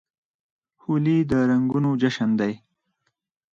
هولي د رنګونو جشن دی.